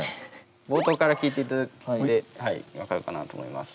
冒頭から聴いていただいて分かるかなと思います。